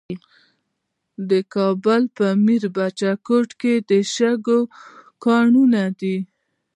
د کابل په میربچه کوټ کې د شګو کانونه دي.